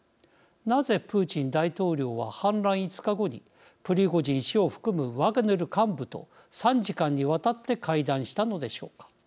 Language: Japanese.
なぜ、プーチン大統領は反乱５日後にプリゴジン氏を含むワグネル幹部と３時間にわたって会談したのでしょうか。